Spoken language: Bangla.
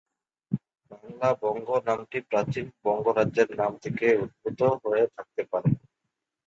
বাংলা "বঙ্গ" নামটি প্রাচীন বঙ্গ রাজ্যের নাম থেকে উদ্ভূত হয়ে থাকতে পারে।